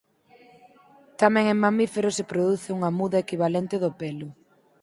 Tamén en mamíferos se produce unha muda equivalente do pelo.